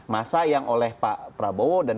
masa yang oleh pak prabowo dan